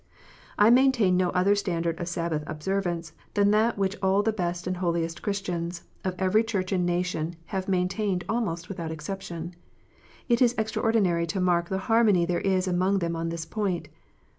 I maintain no other standard of Sabbath observance than that which all the best and holiest Christians, of every Church and nation, have maintained almost without exception. It is extraordinary to mark the harmony there is among them on this point.